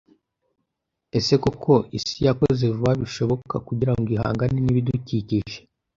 Ese koko isi yakoze vuba bishoboka kugirango ihangane n’ibidukikije?